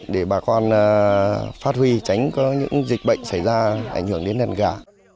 để bà con phát huy tránh có những dịch bệnh xảy ra ảnh hưởng đến đàn gà